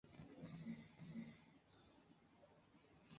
Más allá está Puerto Calderón.